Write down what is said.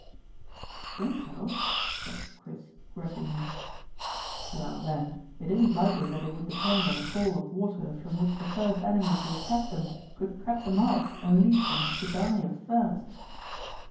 "I think so," said Chris grudgingly. "Well, then, it isn't likely that they would depend on a fall of water from which the first enemies who attacked them could cut them off and leave them to die of thirst."